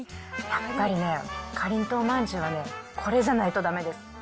やっぱりね、かりんとう饅頭はね、これじゃないとだめです。